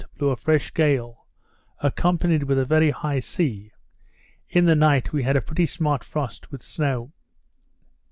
blew a fresh gale, accompanied with a very high sea. In the night had a pretty smart frost with snow.